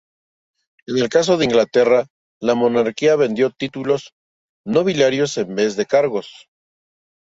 En el caso de Inglaterra la monarquía vendió títulos nobiliarios en vez de cargos.